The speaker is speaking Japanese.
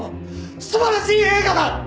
素晴らしい映画だ！